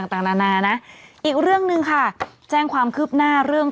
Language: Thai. ต่างนานานะอีกเรื่องหนึ่งค่ะแจ้งความคืบหน้าเรื่อง